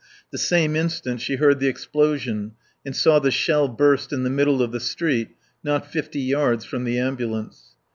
The same instant she heard the explosion and saw the shell burst in the middle of the street, not fifty yards from the ambulance.